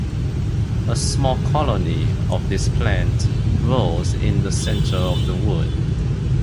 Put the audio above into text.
A small colony of this plant grows in the centre of the wood.